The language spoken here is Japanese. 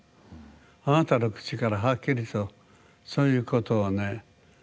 あなたの口からはっきりとそういうことをね